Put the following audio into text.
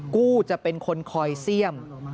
กู้จะเป็นคนคอยเสี่ยม